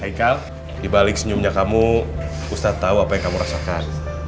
ika dibalik senyumnya kamu ustadz tahu apa yang kamu rasakan